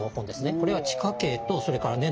これは地下茎とそれから根の標本。